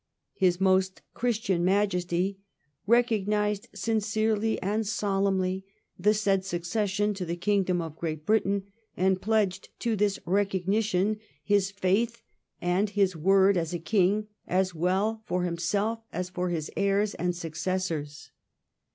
His Most Christian Majesty 'recognised sincerely and solemnly the said succes sion to the Kingdom of Great Britain and pledged to this recognition his faith and his word as a king, as well for himself as for his heirs and successors.'